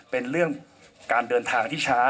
เป็นเรื่องการเดินทางที่ช้า